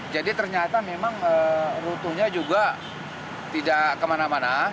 ternyata memang rutunya juga tidak kemana mana